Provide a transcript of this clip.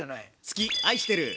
愛してる。